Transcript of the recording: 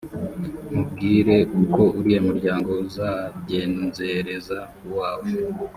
nkubwire uko uriya muryango uzagenzereza uwawe.